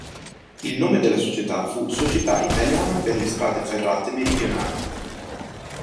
Il nome della società fu "Società Italiana per le strade ferrate meridionali".